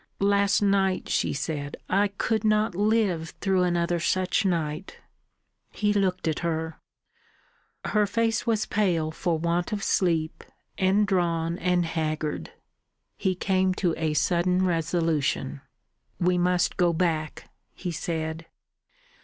"Last night!" she said. "I could not live through another such night." He looked at her. Her face was pale for want of sleep, and drawn and haggard. He came to a sudden resolution. "We must go back," he said.